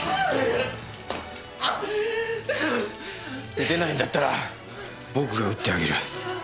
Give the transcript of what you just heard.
撃てないんだったら僕が撃ってあげる。